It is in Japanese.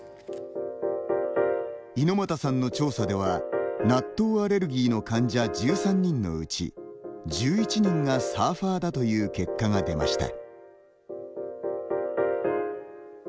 猪又さんの調査では納豆アレルギーの患者１３人のうち１１人がサーファーだという結果が出ました。